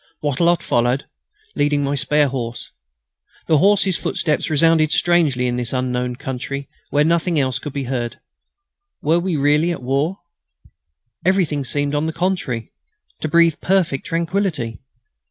Wattrelot followed, leading my spare horse. The horses' footsteps resounded strangely in this unknown country where nothing else could be heard. Were we really at war? Everything seemed, on the contrary, to breathe perfect tranquillity.